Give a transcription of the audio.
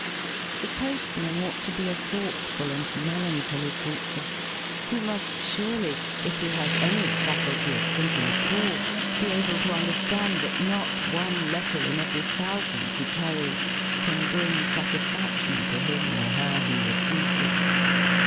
The postman ought to be a thoughtful and melancholy creatvue. He must surely, if he has any faculty of thinking at all, be able to understand that not one letter in every thousand he cairies can bring satisfaction to him or her who receives it.